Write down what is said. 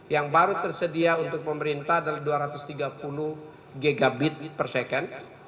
yang baru tersedia untuk pemerintah adalah dua ratus tiga puluh gb per second